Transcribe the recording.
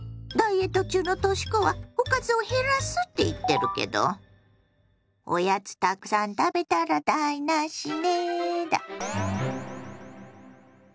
ダイエット中のとし子はおかずを減らすって言ってるけどおやつたくさん食べたら台なしねだ。